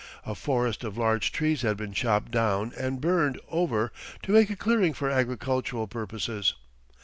A forest of large trees had been chopped down and burned over to make a clearing for agricultural purposes.